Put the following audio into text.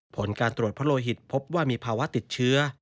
ผลการตรวจเพราะโลหิตพบว่ามีภาวะติดเชื้อ